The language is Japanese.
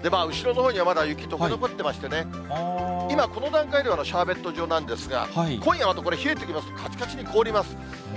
後ろのほうにはまだ雪がとけ残っていましてね、今、この段階ではシャーベット状なんですが、今夜またこれ冷えてきますとかちかちに凍ります。